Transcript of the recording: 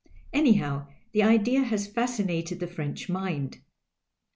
Anyhow, the idea has fascinated the French mind.